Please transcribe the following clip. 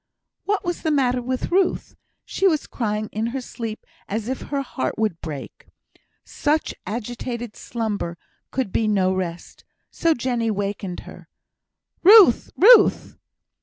What was the matter with Ruth? She was crying in her sleep as if her heart would break. Such agitated slumber could be no rest; so Jenny wakened her. "Ruth! Ruth!"